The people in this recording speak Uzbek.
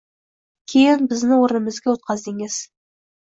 Keyin bizni oʻrnimizga oʻtqazdingiz.